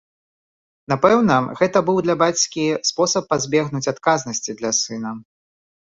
Напэўна, гэта быў для бацькі спосаб пазбегнуць адказнасці для сына.